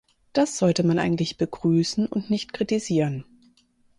Das sollte man eigentlich begrüßen und nicht kritisieren.